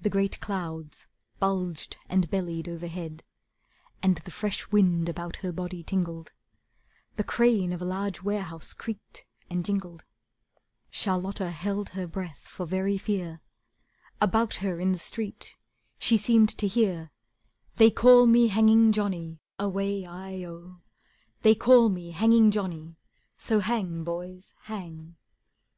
The great clouds bulged and bellied overhead, And the fresh wind about her body tingled; The crane of a large warehouse creaked and jingled; Charlotta held her breath for very fear, About her in the street she seemed to hear: "They call me Hanging Johnny, Away i oh; They call me Hanging Johnny, So hang, boys, hang."